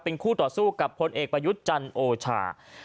เป็นคู่ต่อสู้กับคนเอกประยุจรรย์โอชา